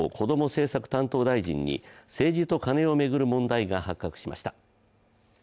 政策担当大臣に政治とカネを巡る問題が発覚しました。